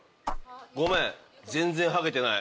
ごめん全然はげてない。